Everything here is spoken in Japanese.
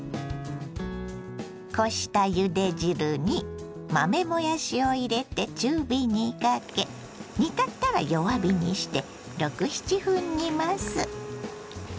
こしたゆで汁に豆もやしを入れて中火にかけ煮立ったら弱火にして６７分煮ます。